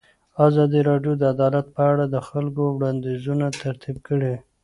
ازادي راډیو د عدالت په اړه د خلکو وړاندیزونه ترتیب کړي.